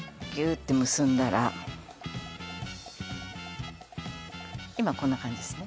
ッて結んだら今こんな感じですね